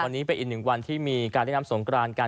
วันนี้เป็นอีกหนึ่งวันที่มีการเล่นน้ำสงกรานกัน